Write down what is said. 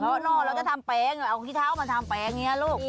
เหาะเนอกเราจะทำแป๊งเอากิ้งขี้เท้าลูก